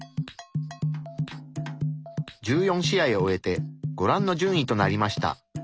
１４試合を終えてご覧の順位となりました。